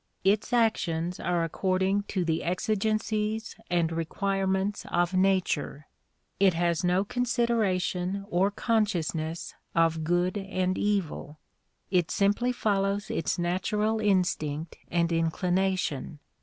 Its actions are according to the exigencies and requirements of na ture. It has no consideration or consciousness of good and evil. It simply follows its natural instinct and inclination.